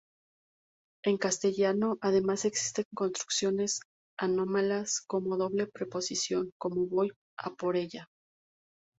En castellano además existen construcciones anómalas con doble preposición como: "voy a por ella".